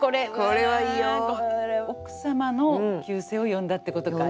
奥様の旧姓を呼んだってことか。